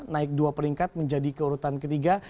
naik dua peringkat menjadi keurutan ketiga